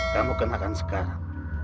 kamu kenakan sekarang